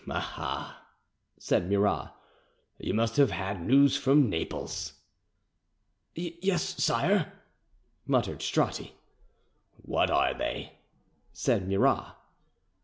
"Ah ha!" said Murat, "you must have had news from Naples." "Yes, sire," muttered Stratti. "What are they?" said Murat.